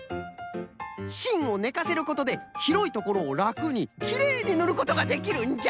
しんをねかせることでひろいところをらくにきれいにぬることができるんじゃ。